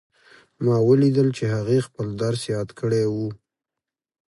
ما ولیدل چې هغې خپل درس یاد کړی وو